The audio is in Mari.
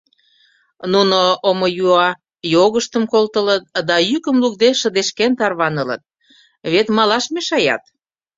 Нуно омыюа йогыштым колтылыт да йӱкым лукде шыдешкен тарванылыт — вет малаш мешаят.